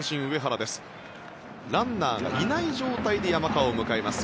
ランナーがいない状態で山川を迎えます。